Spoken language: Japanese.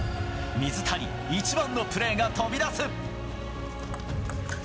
水谷、一番のプレーが飛び出す！